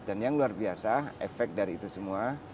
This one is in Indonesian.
dan yang luar biasa efek dari itu semua